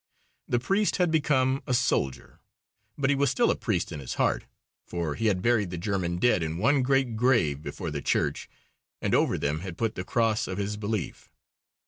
The priest had become a soldier; but he was still a priest in his heart. For he had buried the German dead in one great grave before the church, and over them had put the cross of his belief.